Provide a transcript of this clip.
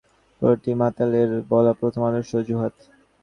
প্রতিটি মাতালের বলা প্রথম আদর্শ অজুহাত!